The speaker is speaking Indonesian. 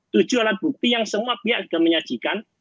tujuh alat bukti yang semua pihak sudah menyajikan